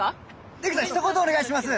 出口さんお願いします。